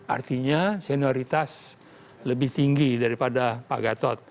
artinya senioritas lebih tinggi daripada pak gatot